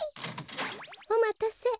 おまたせ。